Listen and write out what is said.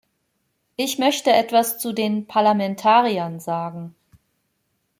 Ich möchte etwas zu den Parlamentariern sagen.